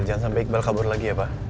jangan sampai iqbal kabur lagi ya pak